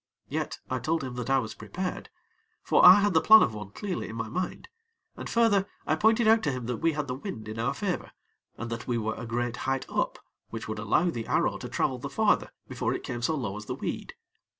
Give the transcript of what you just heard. Yet, I told him that I was prepared; for I had the plan of one clearly in my mind, and further I pointed out to him that we had the wind in our favor, and that we were a great height up, which would allow the arrow to travel the farther before it came so low as the weed.